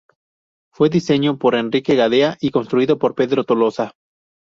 Fue diseñado por Enrique Gadea y construido por Pedro Tolosa.